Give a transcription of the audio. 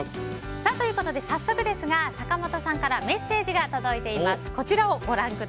早速ですが坂本さんからメッセージが届いています。